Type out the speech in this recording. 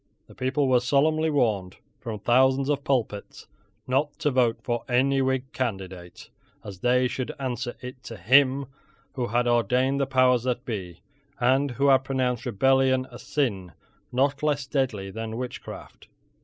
The people were solemnly warned from thousands of pulpits not to vote for any Whig candidate, as they should answer it to Him who had ordained the powers that be, and who had pronounced rebellion a sin not less deadly than witchcraft.